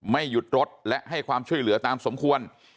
ไม่หยุดรถและให้ความช่วยเหลือตามสมควร